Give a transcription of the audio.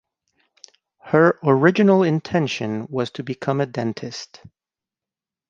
Her original intention was to become a dentist.